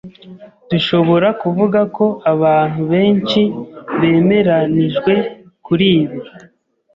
dushobora kuvuga ko abantu benshi bemeranijwe kuri ibi